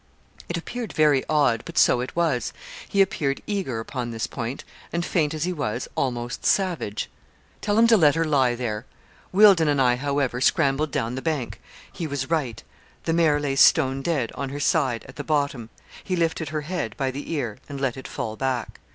It appeared very odd, but so it was, he appeared eager upon this point, and, faint as he was, almost savage. 'Tell them to let her lie there.' Wealdon and I, however, scrambled down the bank. He was right. The mare lay stone dead, on her side, at the bottom. He lifted her head, by the ear, and let it fall back.